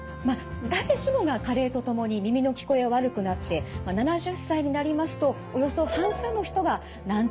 誰しもが加齢とともに耳の聞こえは悪くなって７０歳になりますとおよそ半数の人が難聴になるとされています。